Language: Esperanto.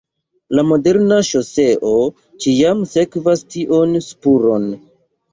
La moderna ŝoseo ĉiam sekvas tion spuron.